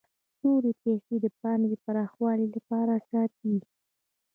نورې پیسې د پانګې پراخوالي لپاره ساتي